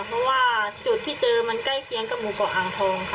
เพราะว่าจุดที่เจอมันใกล้เคียงกับหมู่เกาะอ่างทองค่ะ